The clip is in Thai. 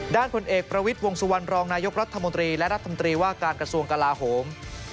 ผลเอกประวิทย์วงสุวรรณรองนายกรัฐมนตรีและรัฐมนตรีว่าการกระทรวงกลาโหม